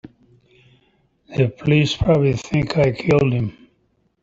The police probably think I killed him.